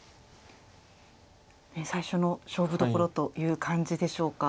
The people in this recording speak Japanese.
最初の勝負どころという感じでしょうか。